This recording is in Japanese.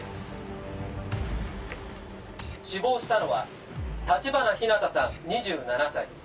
死亡したのは橘日向さん２７歳。